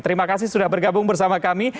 terima kasih sudah bergabung bersama kami